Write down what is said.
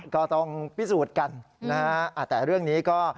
ก็ต้องพิสูจน์กันนะฮะแต่เรื่องนี้ก็